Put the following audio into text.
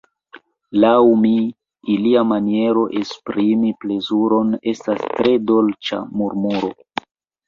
Laŭ mi, ilia maniero esprimi plezuron estas tre dolĉa murmuro.